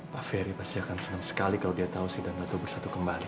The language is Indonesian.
pak ferry pasti akan senang sekali kalau dia tahu sidang atau bersatu kembali